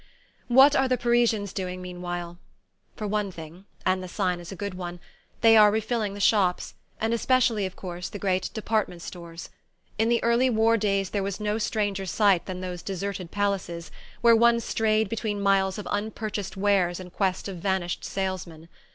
What are the Parisians doing meanwhile? For one thing and the sign is a good one they are refilling the shops, and especially, of course, the great "department stores." In the early war days there was no stranger sight than those deserted palaces, where one strayed between miles of unpurchased wares in quest of vanished salesmen.